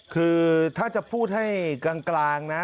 คือถ้าจะพูดให้กลางนะ